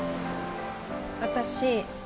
私